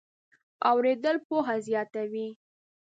اورېدل پوهه زیاتوي.